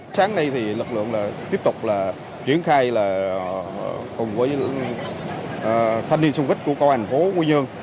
sáng nay lực lượng tiếp tục triển khai cùng với thanh niên xung kích của công an thành phố nguyên nhương